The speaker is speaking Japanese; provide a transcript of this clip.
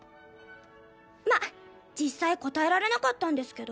まあ実際答えられなかったんですけど。